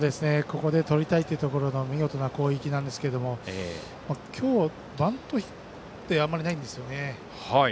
ここで取りたいというところの見事な攻撃ですが今日、バントヒットはあまりないんですよね。